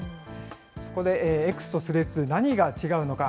そこでＸとスレッズ、何が違うのか。